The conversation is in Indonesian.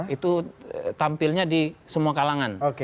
itu tampilnya di semua kalangan